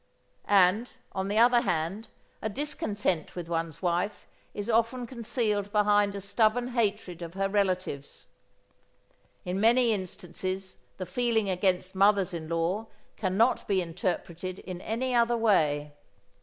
And, on the other hand, a discontent with one's wife is often concealed behind a stubborn hatred of her relatives. In many instances the feeling against mothers in law cannot be interpreted in any other way.